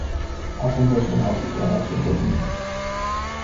Acum voi semna oficial acest document.